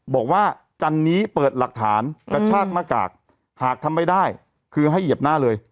จันนี้เปิดหลักฐานกระชากหน้ากากหากทำไม่ได้คือให้เหยียบหน้าเลย